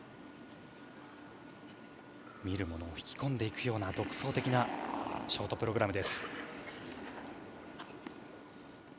見る者を引き込んでいくような独創的なショートプログラム。